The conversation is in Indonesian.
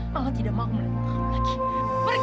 mama tidak mau melihat kamu lagi